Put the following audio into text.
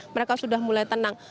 mereka sudah mulai tenang